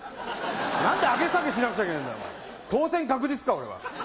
何で上げ下げしなくちゃいけない当選確実か俺は。